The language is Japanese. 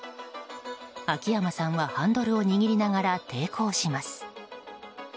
秋山さんはハンドルを握りながら抵抗します。